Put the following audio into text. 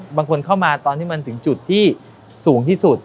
บางคนเข้ามาตอนที่มันถึงจุดที่สูงที่สุด